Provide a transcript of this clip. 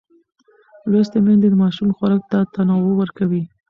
لوستې میندې د ماشوم خوراک ته تنوع ورکوي.